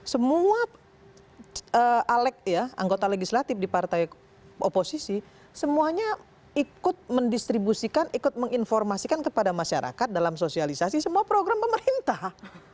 semua anggota legislatif di partai oposisi semuanya ikut mendistribusikan ikut menginformasikan kepada masyarakat dalam sosialisasi semua program pemerintah